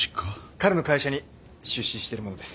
彼の会社に出資してる者です。